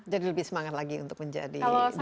jadi lebih semangat lagi untuk menjadi dokter ya